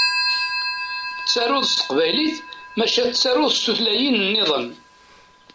Ttaruɣ s teqbaylit maca ttaruɣ s tutlayin-nniḍen.